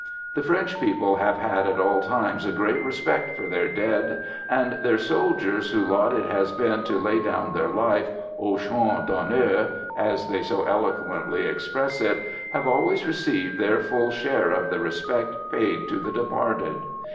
The French people have had at all times a great respect for their dead, and their soldiers whose lot it has been to lay down their life, au champ d'honneur, as they so eloquently express it, have always received their full share of the respect paid to the departed.